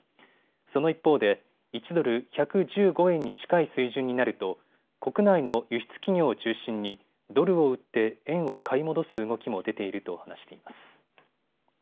その一方で１ドル１１５円に近い水準になると国内の輸出企業を中心にドルを売って円を買い戻す動きも出ていると話しています。